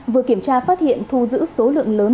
vừa kiểm tra phát hiện thu giữ số lượng lớn